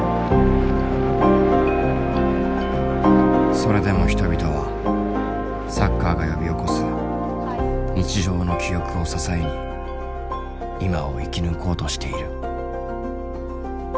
それでも人々はサッカーが呼び起こす日常の記憶を支えに今を生き抜こうとしている。